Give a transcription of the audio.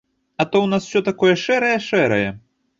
А то ў нас усё такое шэрае-шэрае.